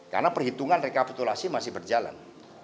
karena perhitungan rekapitulasi masih berjalan